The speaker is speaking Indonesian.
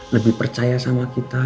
lebih percaya sama kita